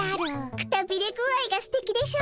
くたびれ具合がすてきでしょ？